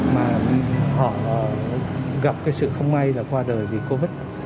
mà họ gặp cái sự không may là qua đời vì covid